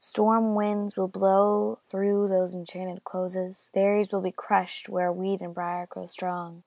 Storm winds will blow through those enchanted closes, Fairies be crushed where weed and briar grow strong